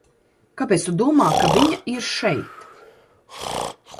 Kāpēc tu domā, ka viņa ir šeit?